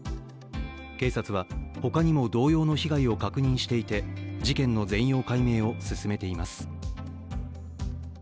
警察は、ほかにも同様の被害を確認していて事件の全容解明を進めています。